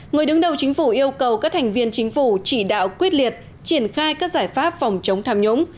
người đứng đầu chính phủ yêu cầu các thành viên chính phủ chỉ đạo quyết liệt triển khai các giải pháp phòng chống tham nhũng